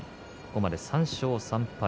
ここまで３勝３敗。